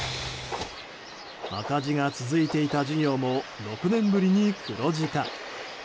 赤字が続いていた事業も６年ぶりに黒字化。